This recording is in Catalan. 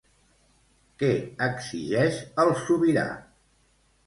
Què exigeix el sobirà?